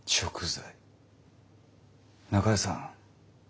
中江さん